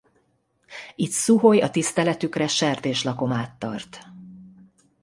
Itt Szuhoj a tiszteletükre sertéslakomát tart.